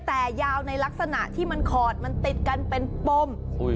แต่ยาวในลักษณะที่มันขอดมันติดกันเป็นปม